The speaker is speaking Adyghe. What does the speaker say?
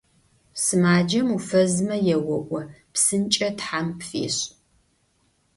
Сымаджэм уфэзмэ еоӀо: «ПсынкӀэ Тхьэм пфешӀ!».